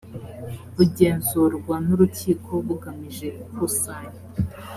bugenzurwa n’urukiko bugamije ikusanya